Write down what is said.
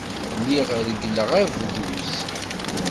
Lliɣ reggleɣ abduz.